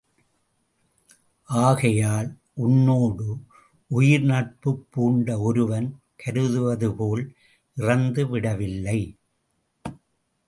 ஆகையால் உன்னோடு உயிர் நட்புப் பூண்ட ஒருவன் கருதுவதுபோல் இறந்துவிடவில்லை.